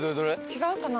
違うかな？